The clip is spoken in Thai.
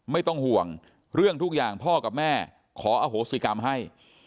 ไม่ต้องห่วงเรื่องทุกอย่างพ่อกับแม่ขออโหสิกรรมให้